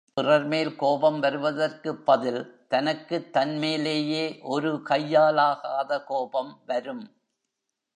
பிறர்மேல் கோபம் வருவதற்குப் பதில் தனக்குத் தன்மேலேயே ஒரு கையாலாகாத கோபம் வரும்.